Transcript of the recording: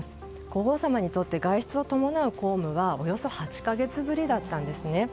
皇后さまにとって外出を伴う公務はおよそ８か月ぶりだったんですね。